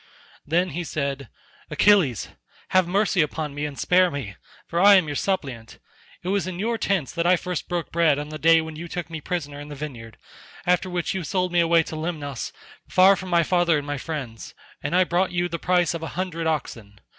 Then he said, "Achilles, have mercy upon me and spare me, for I am your suppliant. It was in your tents that I first broke bread on the day when you took me prisoner in the vineyard; after which you sold me away to Lemnos far from my father and my friends, and I brought you the price of a hundred oxen.